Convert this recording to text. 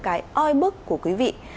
cái oi bức của quý vị